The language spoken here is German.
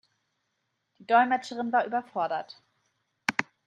Die Dolmetscherin war überfordert.